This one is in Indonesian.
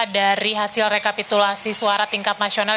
dari hasil rekapitulasi suara tingkat nasional